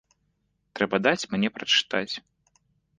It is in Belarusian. Трэба даць мне прачытаць.